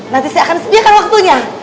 nanti saya akan sediakan waktunya